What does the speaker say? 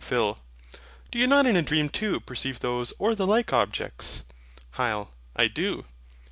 PHIL. Do you not in a dream too perceive those or the like objects? HYL. I do.